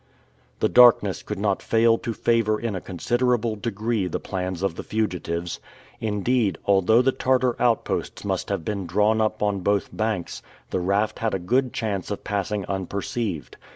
The darkness could not fail to favor in a considerable degree the plans of the fugitives. Indeed, although the Tartar outposts must have been drawn up on both banks, the raft had a good chance of passing unperceived.